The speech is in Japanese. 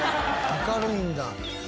明るいんだ。